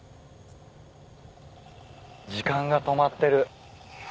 時間が止まってる。